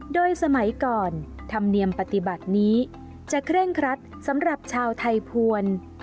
โดยสมัยก่อนธรรมเนียมปฏิบัตินี้จะเคร่งครัดสำหรับชาวไทยภวร